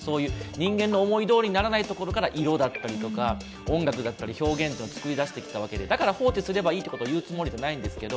人間の思い通りにならないところから色だったりとか、音楽だったり表現というのは作り出してきたわけで、だから放置すればいいというわけじゃないですけど